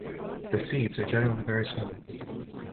The seeds are generally very small.